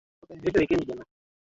Wanyama wawili tofauti wanapigana